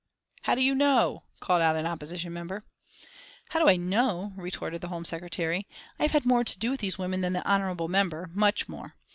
"How do you know?" called out an Opposition member. "How do I know?" retorted the Home Secretary. "I have had more to do with these women than the honourable member, much more.